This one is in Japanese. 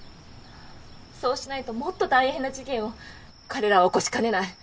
そうしないともっと大変な事件を彼らは起こしかねない。